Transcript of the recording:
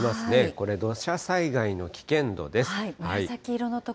これ、土砂災害の危険度です。